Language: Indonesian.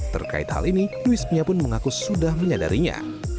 terkait hal ini luismia pun mengaku sudah menyadarinya